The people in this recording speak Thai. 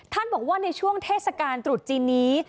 บอกว่าในช่วงเทศกาลตรุษจีนนี้